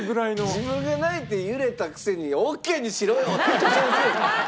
自分が泣いて揺れたくせに「オッケーにしろよ！」って。ハハハハ！